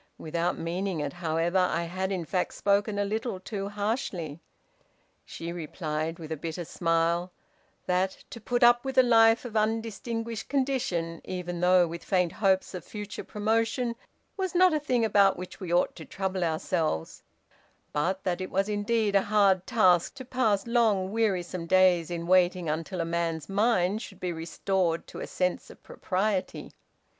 Without meaning it, however, I had in fact spoken a little too harshly. She replied, with a bitter smile, that 'to put up with a life of undistinguished condition, even though with faint hopes of future promotion, was not a thing about which we ought to trouble ourselves, but that it was indeed a hard task to pass long wearisome days in waiting until a man's mind should be restored to a sense of propriety.